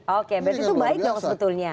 oke berarti itu baik dong sebetulnya